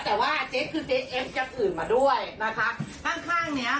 แต่ว่าเจ๊ครึ่งเจ๊เอ็มล์กับอื่นมาด้วยนะคะ